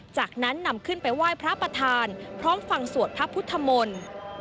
จากนั้นนำขึ้นไปไหว้พระประธานพร้อมฟังสวดพระพุทธมนต์